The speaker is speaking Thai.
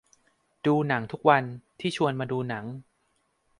ดูหนังทุกวัน ที่ชวนมาดูหนัง